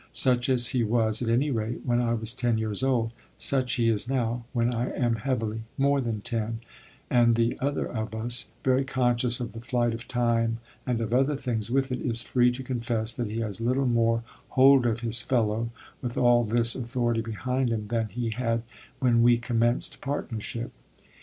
Such as he was, at any rate, when I was ten years old, such he is now when I am heavily more than ten; and the other of us, very conscious of the flight of time and of other things with it, is free to confess that he has little more hold of his fellow with all this authority behind him than he had when we commenced partnership.